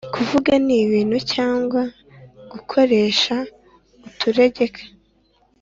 kuvuga n’ibindi cyangwa gukoresha uturegeka